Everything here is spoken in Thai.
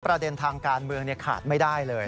ประเด็นทางการเมืองขาดไม่ได้เลย